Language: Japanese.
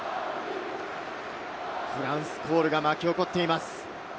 フランスコールが巻き起こっています。